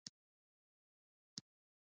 ښوونکي څومره معاش لري؟